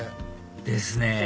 ですね